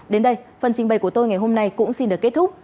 đến đây phần trình bày của tôi ngày hôm nay cũng xin được kết thúc